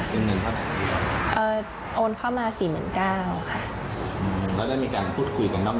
เรียบร้อยแล้วค่ะเมื่อวานช่วง๒ทุ่มกว่า๓ทุ่มประมาณนี้ค่ะ